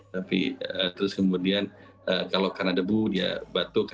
tapi terus kemudian kalau karena debu dia batuk